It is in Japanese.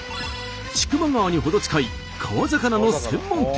千曲川に程近い川魚の専門店。